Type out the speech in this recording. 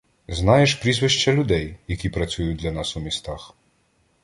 Знаєш прізвища людей, які працюють для нас у містах.